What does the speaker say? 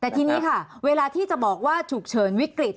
แต่ทีนี้ค่ะเวลาที่จะบอกว่าฉุกเฉินวิกฤต